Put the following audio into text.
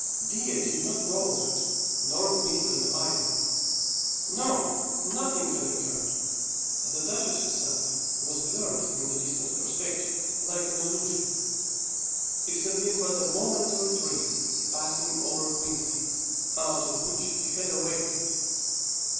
Dea did not know of it, nor Gwynplaine either. No; nothing had occurred. The duchess herself was blurred in the distant perspective like an illusion. It had been but a momentary dream passing over Gwynplaine, out of which he had awakened.